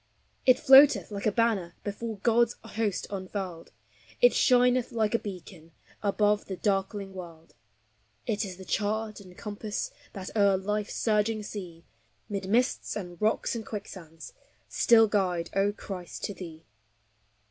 It floateth like a banner Before God's host unfurled; It shineth like a beacon Above the darkling world; It is the chart and compass That o'er life's surging sea, Mid mists and rocks and quicksands, Still guide, O Christ, to thee.